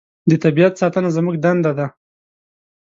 د طبیعت ساتنه زموږ دنده ده.